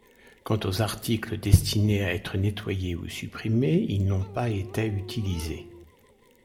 Quant aux articles destinés à être nettoyés ou supprimés, ils n’ont pas étaient utilisés.